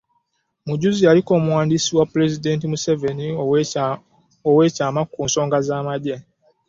Mujuzi yaliko omuwandiisi wa pulezidenti Museveni ow'ekyama ku nsonga z'amagye